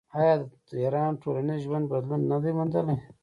آیا د ایران ټولنیز ژوند بدلون نه دی موندلی؟